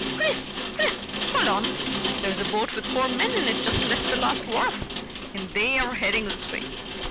"Chris! Chris hold on! There's a boat with four men in it just left the last wharf, and they're headin' this way!